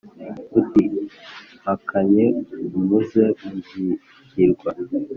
Uti: mpakanye umuze Muzigirwa